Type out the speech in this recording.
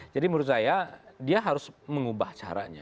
jadi menurut saya dia harus mengubah caranya